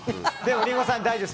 リンゴさん大丈夫です。